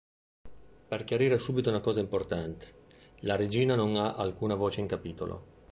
Per chiarire subito una cosa importante, la regina non ha alcuna voce in capitolo.